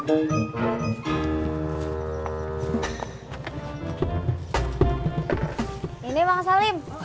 tidak ada yang nambah nay